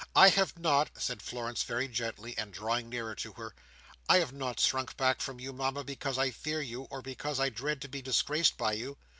I have not," said Florence very gently, and drawing nearer to her, "I have not shrunk back from you, Mama, because I fear you, or because I dread to be disgraced by you.